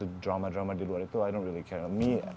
ada drama drama di luar itu aku tidak peduli